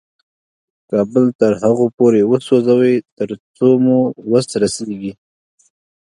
کابل تر هغو پورې وسوځوئ تر څو مو وس رسېږي.